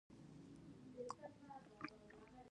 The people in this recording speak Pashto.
له کتاب سره ملتیا مو د لوړو افکارو نړۍ ته بیایي.